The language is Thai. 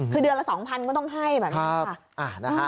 คือเดือนละ๒๐๐ก็ต้องให้แบบนี้ค่ะ